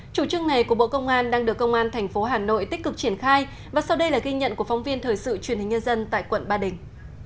chủ trương này của bộ công an đang được công an tp hà nội tích cực triển khai và sau đây là ghi nhận của phóng viên thời sự truyền hình nhân dân tại quận ba đình